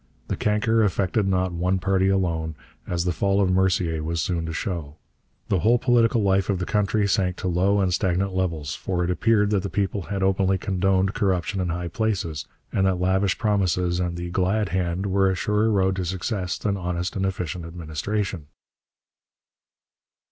The canker affected not one party alone, as the fall of Mercier was soon to show. The whole political life of the country to sank low and stagnant levels, for it appeared that the people had openly condoned corruption in high places, and that lavish promises and the 'glad hand' were a surer road to success than honest and efficient administration.